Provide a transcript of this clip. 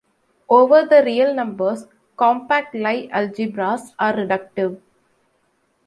Over the real numbers, compact Lie algebras are reductive.